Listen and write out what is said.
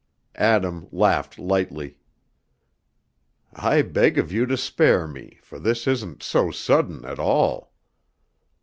Adam laughed lightly. "I beg of you spare me, for this isn't 'so sudden' at all."